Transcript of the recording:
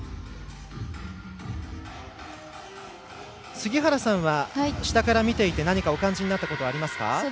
杉原さんは下から見ていて何かお感じになったことはありますか？